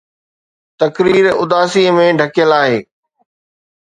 تقرير اداسي ۾ ڍڪيل آهي